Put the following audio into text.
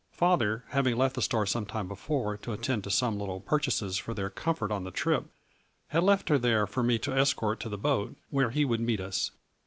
Father, having left the store some time before to attend to some little pur chases for their comfort on the trip, had left her there for me to escort to the boat, where he would meet us.